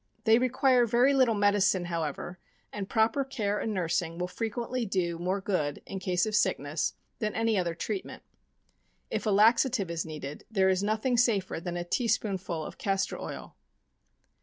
They require very little medicine, however, and proper care and nursing will frequently do more good in case of sickness than any other treatment. If a laxative is needed, there is nothing safer than a tea spoonful of castor oil.